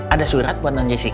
ada surat buat nany jessica